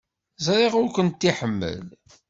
Ẓriɣ ur kent-iḥemmel.